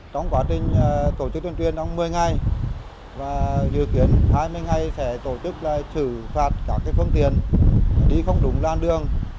trong quá trình tổ chức tuyên truyền trong một mươi ngày và dự kiến hai mươi ngày sẽ tổ chức xử phạt các phương tiện đi không đúng làn đường